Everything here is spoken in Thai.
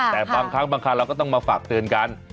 แต่บางครั้งบางคราวเราก็ต้องมาฝากเตือนกัน